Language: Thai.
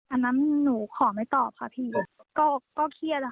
อันนั้นหนูขอไม่ตอบค่ะพี่ก็เครียดอะค่ะ